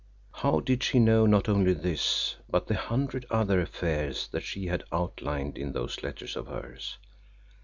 How did she know not only this, but the hundred other affairs that she had outlined in those letters of hers?